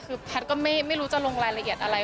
คือแพทย์ก็ไม่รู้จะลงรายละเอียดอะไร